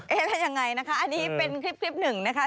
ได้ยังไงนะคะอันนี้เป็นคลิปหนึ่งนะคะ